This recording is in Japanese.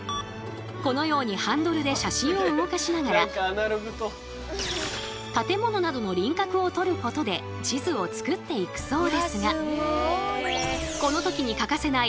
このようにハンドルで写真を動かしながら建物などの輪郭をとることで地図を作っていくそうですがこの時に欠かせない